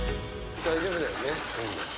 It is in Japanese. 大丈夫だよね。